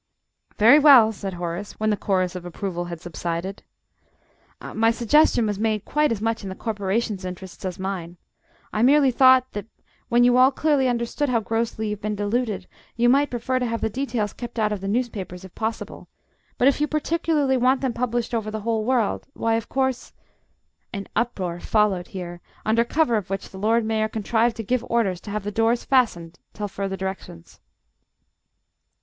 "Very well," said Horace, when the chorus of approval had subsided. "My suggestion was made quite as much in the Corporation's interests as mine. I merely thought that, when you all clearly understood how grossly you've been deluded, you might prefer to have the details kept out of the newspapers if possible. But if you particularly want them published over the whole world, why, of course " An uproar followed here, under cover of which the Lord Mayor contrived to give orders to have the doors fastened till further directions.